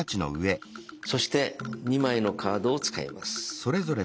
そして２枚のカードを使います。